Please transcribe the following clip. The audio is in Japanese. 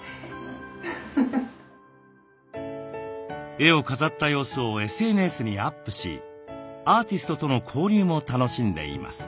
絵を飾った様子をＳＮＳにアップしアーティストとの交流も楽しんでいます。